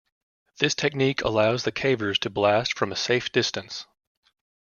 This technique allows the cavers to blast from a safe distance.